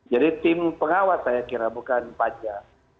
jadi tim pengawas saya kira bukan panja